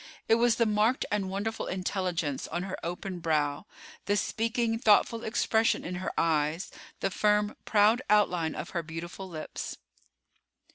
It was the marked and wonderful intelligence on her open brow, the speaking, thoughtful expression in her eyes, the firm, proud outline of her beautiful lips.